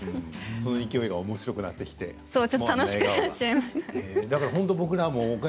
その勢いがおもしろくなってきて、あの笑顔。